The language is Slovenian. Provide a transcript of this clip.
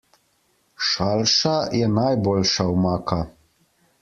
Šalša je najboljša omaka.